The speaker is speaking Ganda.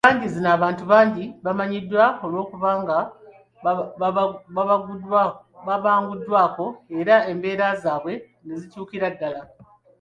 Ensangi zino, abantu bangi bamanyiddwa olw'okuba nga babanguddwako era n'embeera zaabwe ne zikyukira ddala